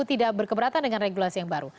tidak berkeberatan dengan regulasi yang baru